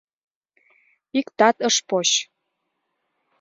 — Иктат ыш поч...